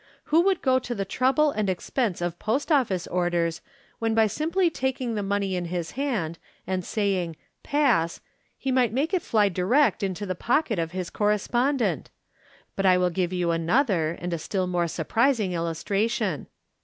Who would go to the trouble and expense of Post office orders when by simply taking the money in his hand, and saying, 1 Pass,' he might make it fly direct into the pocket of his correspond ent ? But I will give you another and a still more surprising illustra tion."